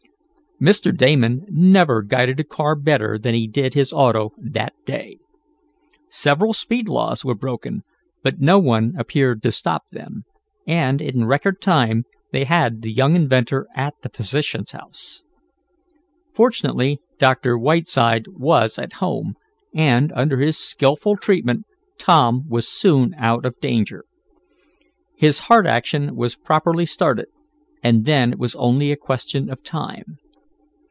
Mr. Damon never guided a car better than he did his auto that day. Several speed laws were broken, but no one appeared to stop them, and, in record time they had the young inventor at the physician's house. Fortunately Dr. Whiteside was at home, and, under his skillful treatment Tom was soon out of danger. His heart action was properly started, and then it was only a question of time.